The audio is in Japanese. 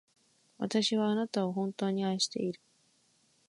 私はあなたを、本当に愛している。